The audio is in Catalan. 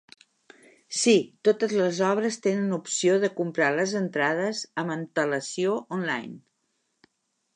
Sí, totes les obres tenen opció de comprar les entrades amb antel·lacio online.